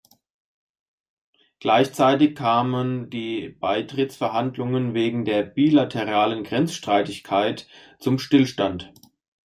Gleichzeitig kamen die Beitrittsverhandlungen wegen der bilateralen Grenzstreitigkeit zum Stillstand.